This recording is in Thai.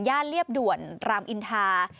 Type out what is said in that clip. เรียบด่วนรามอินทา